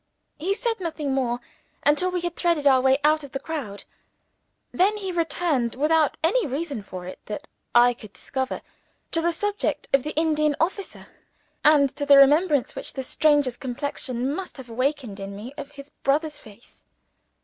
He said nothing more, until we had threaded our way out of the crowd. Then he returned, without any reason for it that I could discover, to the subject of the Indian officer, and to the remembrance which the stranger's complexion must have awakened in me of his brother's face.